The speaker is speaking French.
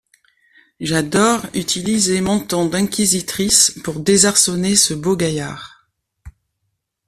J’adore utiliser mon ton d’inquisitrice pour désarçonner ce beau gaillard.